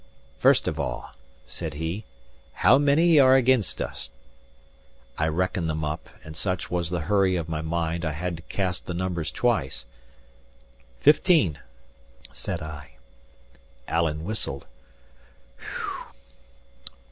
"First of all," said he, "how many are against us?" I reckoned them up; and such was the hurry of my mind, I had to cast the numbers twice. "Fifteen," said I. Alan whistled.